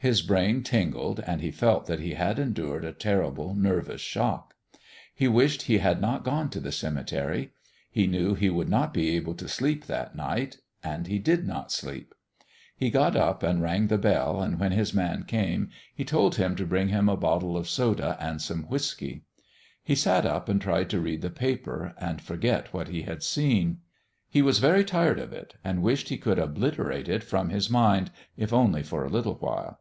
His brain tingled, and he felt that he had endured a terrible, nervous shock. He wished he had not gone to the cemetery. He knew he would not be able to sleep that night, and he did not sleep. He got up and rang the bell, and when his man came he told him to bring him a bottle of soda and some whiskey. He sat up and tried to read the paper and forget what he had seen. He was very tired of it, and wished he could obliterate it from his mind, if only for a little while.